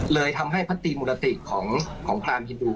เลยทำให้พระตรีมุรติของพรามฮินดู